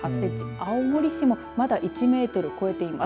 青森市もまだ１メートルを超えています。